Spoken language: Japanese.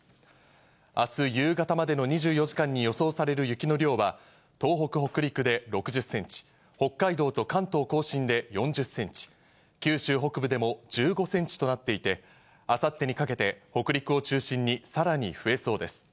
あす夕方までの２４時間に予想される雪の量は、東北、北陸で６０センチ、北海道と関東甲信で４０センチ、九州北部でも１５センチとなっていて、あさってにかけて北陸を中心にさらに増えそうです。